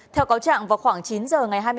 theo cáo trạng vào khoảng chín giờ ngày hai